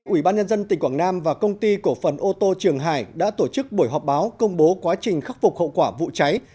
ủy ban nhân dân tỉnh quảng nam và công ty cổ phần ô tô trường hải đã tổ chức buổi họp báo công bố quá trình khắc phục hậu quả vụ cháy